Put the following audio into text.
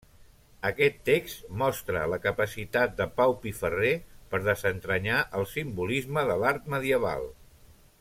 Aquest text mostra la capacitat de Pau Piferrer per desentranyar el simbolisme de l'art medieval.